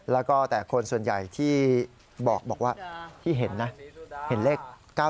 แล้วก็แต่คนส่วนใหญ่ที่บอกว่าที่เห็นนะเห็นเลข๙๙